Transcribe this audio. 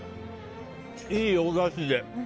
いいおだしで。